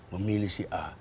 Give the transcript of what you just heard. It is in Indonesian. memilih si a